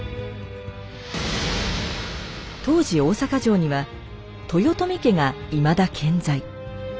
当時大坂城には豊臣家がいまだ健在。